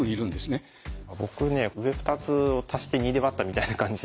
僕ね上２つを足して２で割ったみたいな感じで。